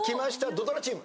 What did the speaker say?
土ドラチーム。